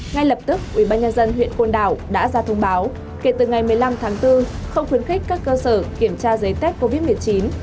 ngay lập tức ubnd huyện côn đảo đã ra thông báo kể từ ngày một mươi năm tháng bốn không khuyến khích các cơ sở kiểm tra giấy test covid một mươi chín